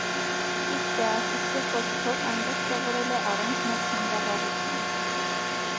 Ճիշտ է, արտիստի խոսքով՝ այնտեղ սովորել է առանց մեծ խանդավառության։